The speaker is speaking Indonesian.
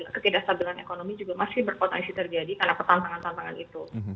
ketidakstabilan ekonomi juga masih berpotensi terjadi karena pertantangan tantangan itu